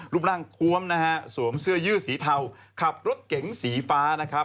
รูปร่างควมสวมเสื้อยืดสีเทาขับรถเก๋งสีฟ้า